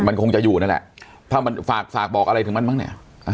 มันคงจะอยู่นั่นแหละถ้ามันฝากฝากบอกอะไรถึงมันบ้างเนี่ย